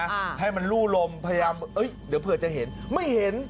ให้มันลู่ลมพยายามเอ้ยเดี๋ยวเผื่อจะเห็นไม่เห็น